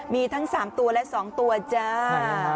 มีทั้ง๓ตัวและ๒ตัวจ้า